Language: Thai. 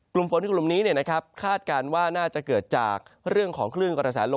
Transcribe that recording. กลุ่มฝนที่กลุ่มนี้คาดการณ์ว่าน่าจะเกิดจากเรื่องของเครื่องกระแสลมฝ่ายตะวันตก